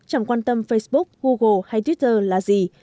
chẳng quan tâm facebook google hay twitter là gì